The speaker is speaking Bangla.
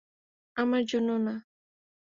আমার জন্যও না।